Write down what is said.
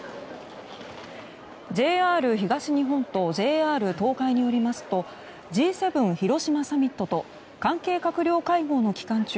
ＪＲ東日本とＪＲ東海によりますとＧ７広島サミットと関係閣僚会合の期間中